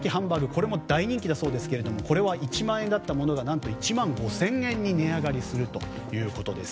これも大人気だそうですがこれは１万円だったものが何と１万５０００円に値上がりするということです。